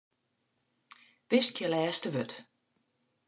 Wiskje lêste wurd.